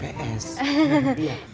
privat ngajar pelajaran ips